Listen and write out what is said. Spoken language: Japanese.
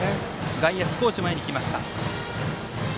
外野、少し前に来ました。